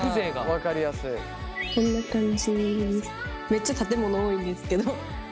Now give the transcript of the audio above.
めっちゃ建物多いんですけど。